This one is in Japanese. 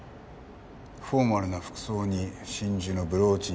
フォーマルな服装に真珠のブローチにネックレス。